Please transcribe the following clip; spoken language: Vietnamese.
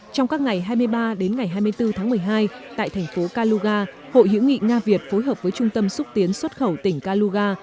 trong các ngày hai mươi ba đến ngày hai mươi bốn tháng một mươi hai tại thành phố kaluga hội hữu nghị nga việt phối hợp với trung tâm xúc tiến xuất khẩu tỉnh kaluga